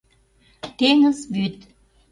Теҥыз вӱд.